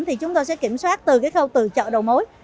thì chúng tôi sẽ kiểm soát từ cái khâu từ chợ đầu mối